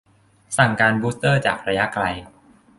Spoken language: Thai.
สั่งการบูสเตอร์จากระยะไกล